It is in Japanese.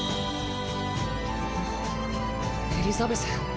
あっエリザベス。